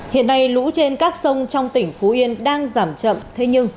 hiện nay lũ trên các sông trong tỉnh phú yên đang giảm chậm thế nhưng